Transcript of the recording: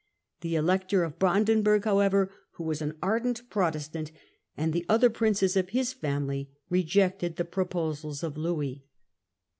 The Elector 01 Brandenburg however, who was an ardent Protestant, and the other Princes of his family, rejected the proposals of Louis.